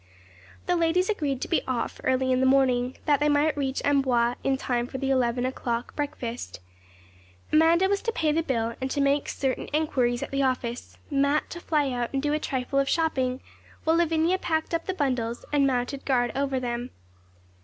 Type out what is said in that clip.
The ladies agreed to be off early in the morning, that they might reach Amboise in time for the eleven o'clock breakfast. Amanda was to pay the bill, and to make certain enquiries at the office; Mat to fly out and do a trifle of shopping; while Lavinia packed up the bundles and mounted guard over them.